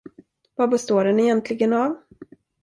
Vad består det egentligen av?